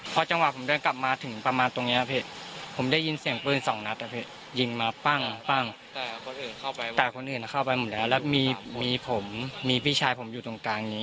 ต่างสำหรับคนอื่นจะเข้าไปหมดแล้วแล้วมีผมมีพี่ชายผมอยู่ตรงกลางนี้